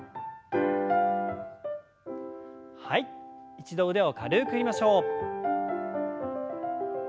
一度腕を軽く振りましょう。